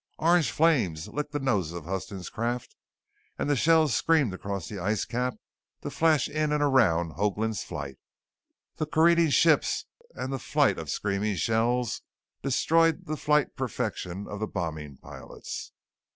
Orange flames licked the noses of Huston's craft and the shells screamed across the ice cap to flash in and around Hoagland's flight. The careening ships and the flight of screaming shells destroyed the flight perfection of the bombing pilots.